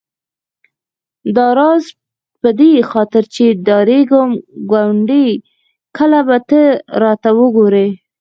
داراز په دې خاطر چې ډارېدم ګوندې کله به ته راته وګورې.